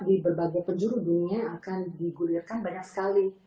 di berbagai penjuru bumi nya akan digulirkan banyak sekali